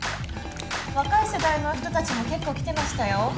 若い世代の人たちも結構来てましたよ。